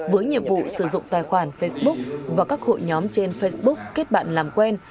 với nhiệm vụ sử dụng tài khoản facebook và các hội nhóm trên facebook kết bạn làm quen